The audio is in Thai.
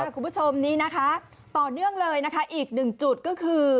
คุณผู้ชมนี้นะคะต่อเนื่องเลยนะคะอีกหนึ่งจุดก็คือ